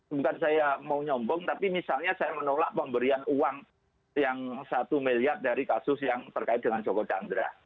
bukan saya mau nyombong tapi misalnya saya menolak pemberian uang yang satu miliar dari kasus yang terkait dengan joko chandra